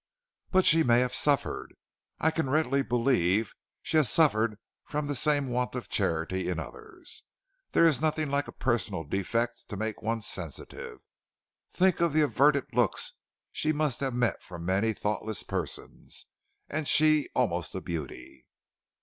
"But she may have suffered. I can readily believe she has suffered from that same want of charity in others. There is nothing like a personal defect to make one sensitive. Think of the averted looks she must have met from many thoughtless persons; and she almost a beauty!"